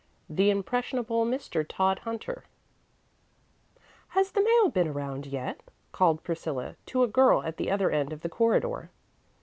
III The Impressionable Mr. Todhunter "Has the mail been around yet?" called Priscilla to a girl at the other end of the corridor.